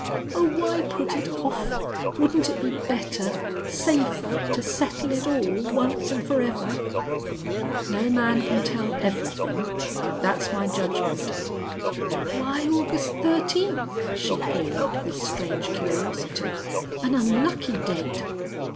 Oh, why put it off? Wouldn't it be better safer, to settle it all once and forever?" "No man can tell everythin'. But that's my judgment." "Why August thirteenth?" she queried, with strange curiosity. "An unlucky date!"